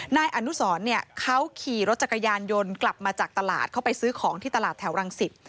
นายอนุสรเนี่ยเขาขี่รถจักรยานยนต์กลับมาจากตลาดเข้าไปซื้อของที่ตลาดแถวรังสิต